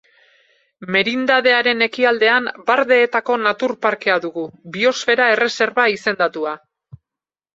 Merindadearen ekialdean Bardeetako Natur Parkea dugu, Biosfera erreserba izendatua.